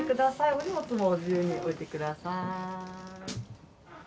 お荷物も自由に置いてください。